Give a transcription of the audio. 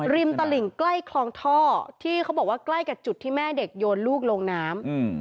ตลิ่งใกล้คลองท่อที่เขาบอกว่าใกล้กับจุดที่แม่เด็กโยนลูกลงน้ำ